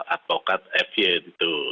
advokat fj itu